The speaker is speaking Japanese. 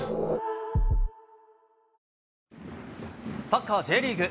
サッカーＪリーグ。